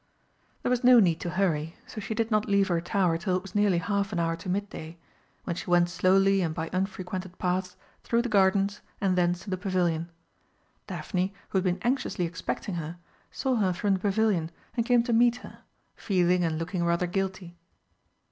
There was no need to hurry, so she did not leave her tower till it was nearly half an hour to mid day, when she went slowly and by unfrequented paths through the gardens and thence to the Pavilion. Daphne, who had been anxiously expecting her, saw her from the Pavilion and came to meet her, feeling and looking rather guilty.